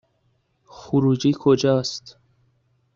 خروجی کجاست؟